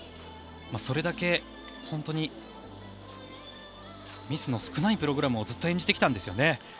それだけ本当にミスの少ないプログラムをずっと演じてきたんですよね。